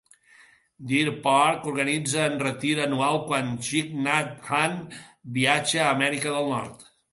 Deer Park organitza un retir anual quan Thich Nhat Hanh viatja a Amèrica del Nord.